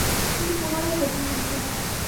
তিনি পুনরায় প্রধানমন্ত্রী হন।